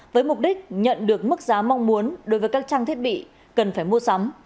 với mục đích nhận được mức giá mong muốn đối với các trang thiết bị cần phải mua sắm